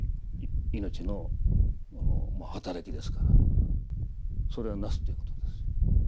命の働きですからそれは「作す」ということです。